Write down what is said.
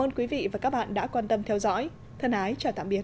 ơn quý vị và các bạn đã quan tâm theo dõi thân ái chào tạm biệt